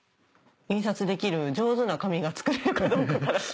印刷できる上手な紙が作れるかどうか。